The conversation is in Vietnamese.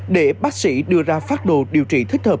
để bác sĩ đưa ra phát đồ